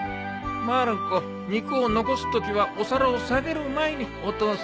まる子肉を残すときはお皿を下げる前にお父さんに言いなさい。